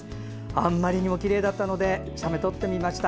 あんまりきれいだったので写メ撮ってみました。